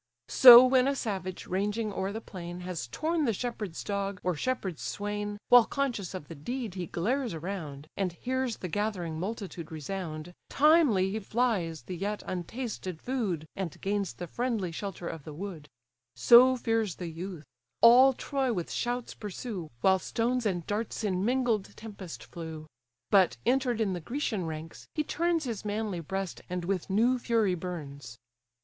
So when a savage, ranging o'er the plain, Has torn the shepherd's dog, or shepherd's swain, While conscious of the deed, he glares around, And hears the gathering multitude resound, Timely he flies the yet untasted food, And gains the friendly shelter of the wood: So fears the youth; all Troy with shouts pursue, While stones and darts in mingled tempest flew; But enter'd in the Grecian ranks, he turns His manly breast, and with new fury burns.